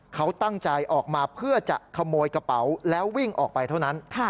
เขาตั้งใจออกมาเพื่อจะขโมยกระเป๋าแล้ววิ่งออกไปเท่านั้น